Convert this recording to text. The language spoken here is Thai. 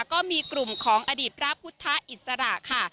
ก็มีกลุ่มของอดีตพระพุทธอิสระค่ะ